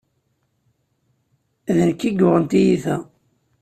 D nekk ay yuɣen tiyita.